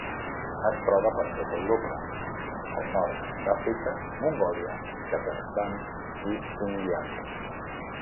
Es troba per tota Europa, al nord d'Àfrica, Mongòlia, Kazakhstan i Xinjiang.